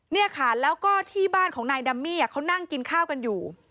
เนี่ยค่ะแล้วก็ที่บ้านของนายดัมมี่เขานั่งกินข้าวกันอยู่